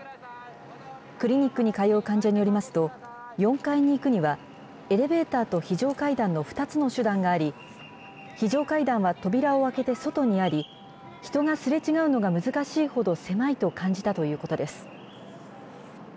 クリニックに通う患者によりますと、４階に行くには、エレベーターと非常階段の２つの手段があり、非常階段は扉を開けて外にあり、人がすれ違うのが難しいほど狭いと感じたということです。